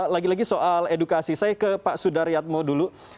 lagi lagi soal edukasi saya ke pak sudaryatmo dulu